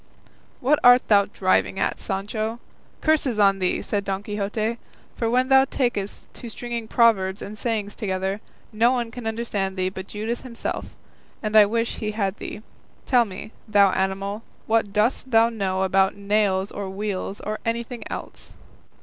"What art thou driving at, Sancho? curses on thee!" said Don Quixote; "for when thou takest to stringing proverbs and sayings together, no one can understand thee but Judas himself, and I wish he had thee. Tell me, thou animal, what dost thou know about nails or wheels, or anything else?"